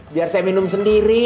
biar saya minum sendiri